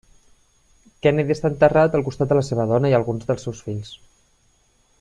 Kennedy està enterrat al costat de la seva dona i alguns dels seus fills.